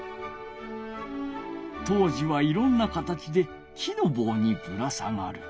当時はいろんな形で木の棒にぶら下がる。